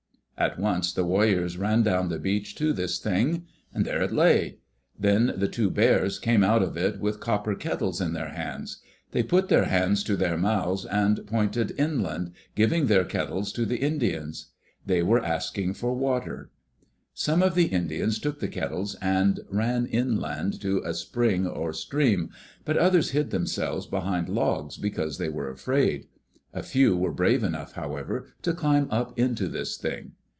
At once the warriors ran down the beach to this Thing. There it lay! Then the two "bears" came out of it with copper kettles in their hands. They put their hands to their mouths and pointed inland, giving their kettles to the Indians. They were asking for water. Seme of the Indians took the kettles and ran inland to a spring or stream, but others hid themselves behind logs because they were afraid. A few were brave enough, however, to climb up into this Thing.